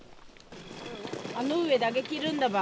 あの上だけ切るんだば。